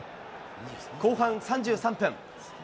後半３３分。